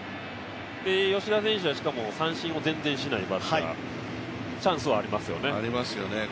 吉田選手はしかも三振も全然しないバッター、チャンスはありますよね。